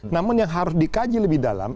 namun yang harus dikaji lebih dalam